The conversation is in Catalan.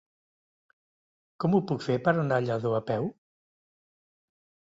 Com ho puc fer per anar a Lladó a peu?